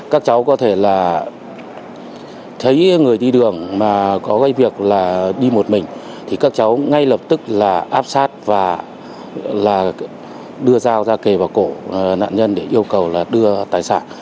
các cháu có thể là thấy người đi đường mà có cái việc là đi một mình thì các cháu ngay lập tức là áp sát và đưa dao ra kề vào cổ nạn nhân để yêu cầu là đưa tài sản